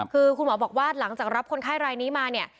คือคุณหมอบอกว่าหลังจากรับคนไข้รายนี้มาเนี่ย